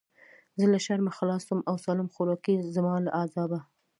زه له شرمه خلاص سوم او سالم خواركى زما له عذابه.